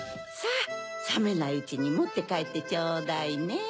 さぁさめないうちにもってかえってちょうだいね。